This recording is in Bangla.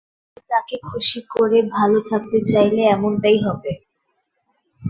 শুধু তাকে খুশি করে ভালো থাকতে চাইলে এমনটাই হবে।